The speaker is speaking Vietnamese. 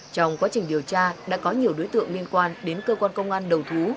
trong quá trình điều tra đã có nhiều đối tượng liên quan đến cơ quan công an đầu thú